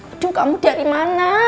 aduh kamu dari mana